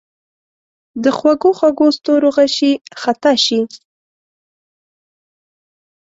د خوږو، خوږو ستورو غشي خطا شي